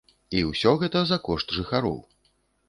І ўсё гэта за кошт жыхароў.